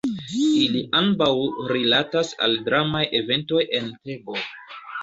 Ili ambaŭ rilatas al dramaj eventoj en Tebo.